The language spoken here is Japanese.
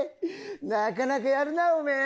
なかなかやるなおめえ！